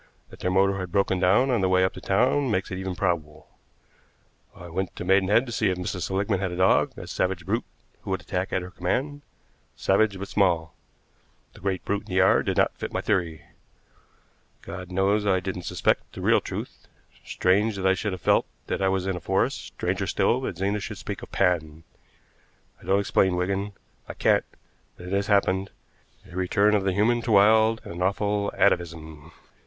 That their motor had broken down on the way up to town makes it even probable. I went to Maidenhead to see if Mrs. Seligmann had a dog, a savage brute who would attack at her command, savage but small. The great brute in the yard did not fit my theory. God knows I didn't suspect the real truth. Strange that I should have felt that I was in a forest, stranger still that Zena should speak of Pan. I don't explain, Wigan, I can't, but it has happened a return of the human to wild and awful atavism.